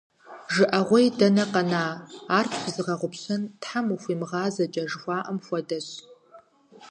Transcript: ЖыӀэгъуей дэнэ къэна, ар пщызыгъэгъупщэн Тхьэм ухуимыгъазэкӀэ жыхуаӀэм хуэдэщ.